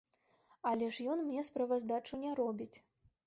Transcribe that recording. Але ж ён мне справаздачу не робіць.